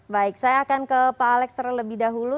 baik saya akan ke pak alex terlebih dahulu